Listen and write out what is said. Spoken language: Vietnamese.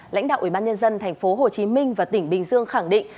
lãnh đạo ủy ban nhân dân tp hcm và tỉnh bình dương khẳng định